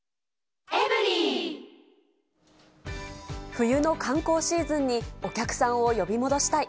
冬の観光シーズンにお客さんを呼び戻したい。